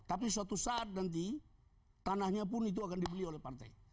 jadi suatu saat nanti tanahnya pun itu akan dibeli oleh partai